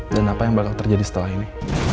dan apa yang bakal terjadi setelah ini